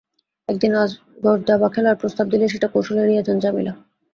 একদিন আজগর দাবা খেলার প্রস্তাব দিলে সেটা কৌশলে এড়িয়ে যান জামিলা।